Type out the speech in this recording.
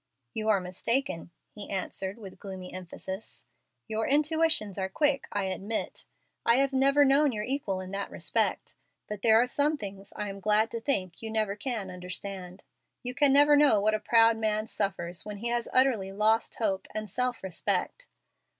"You are mistaken," he answered, with gloomy emphasis. "Your intuitions are quick, I admit. I have never known your equal in that respect. But there are some things I am glad to think you never can understand. You can never know what a proud man suffers when he has utterly lost hope and self respect.